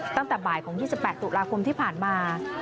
ตั้งแต่บ่ายของ๒๘ตุลาคมที่ผ่านมา